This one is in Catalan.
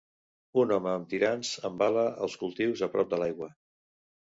Un home amb tirants embala els cultius a prop de l'aigua.